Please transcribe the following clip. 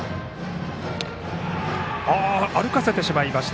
歩かせてしまいました。